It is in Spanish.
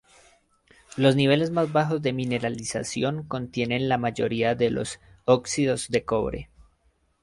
Los niveles más bajos de mineralización contienen la mayoría de los óxidos de cobre.